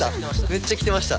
めっちゃ着てました。